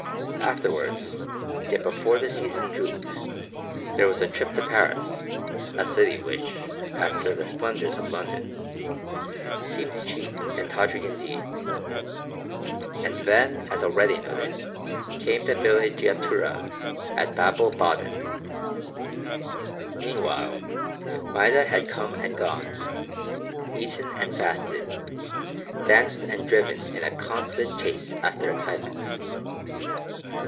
Afterwards, yet before the season drooped, there was a trip to Paris, a city, which, after the splendors of London, seemed cheap and tawdry indeed, and then as already noted came the villegiatura at Babel Baden. Meanwhile Maida had come and gone, eaten and fasted, danced and driven in a constant chase after excitement.